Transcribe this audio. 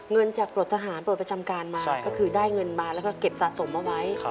เงินจากปลดทหารปลดประจำการมาก็คือได้เงินมาแล้วก็เก็บสะสมเอาไว้